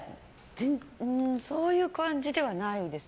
そういう感じではないです。